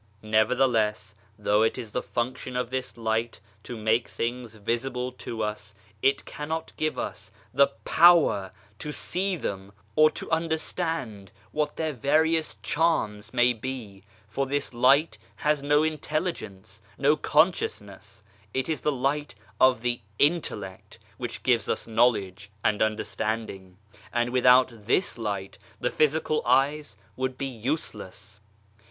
Nevertheless, though it is the function of this light to make things visible to us, it cannot give us the power to see them or to understand what their various charms 62 TWO KINDS OF LIGHT may be, for this light has no intelligence, no conscious ness. It is the light of the intellect which gives us know ledge and understanding, and without this light the physical eyes would be useless.